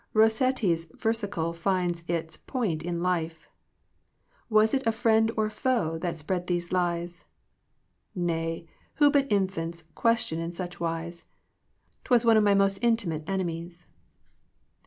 Rossetti's versicle finds its point in life —Was it a friend or foe that spread these lies?* *Nay, who but infants question in such wise? Twas one of my most intimate enemies.'